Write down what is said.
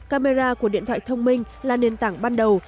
camera của điện thoại thông minh là nền tảng ban đầu